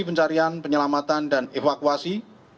pencarian penyelamatan dan evakuasi